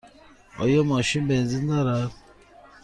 آیا ماشین بنزین دارد؟